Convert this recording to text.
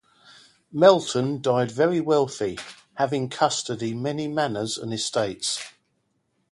Melton died very wealthy, having custody many manors and estates.